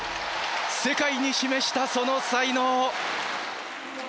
世界に示したその才能。